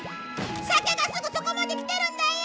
酒がすぐそこまで来てるんだよ！